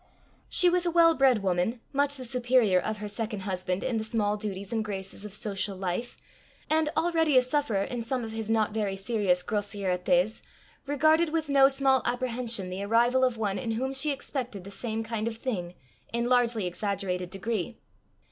She was a well bred woman, much the superior of her second husband in the small duties and graces of social life, and, already a sufferer in some of his not very serious grossièretés, regarded with no small apprehension the arrival of one in whom she expected the same kind of thing in largely exaggerated degree.